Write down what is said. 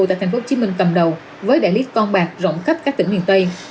tại tp hcm cầm đầu với đại lý con bạc rộng khắp các tỉnh miền tây